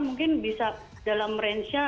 mungkin bisa dalam range nya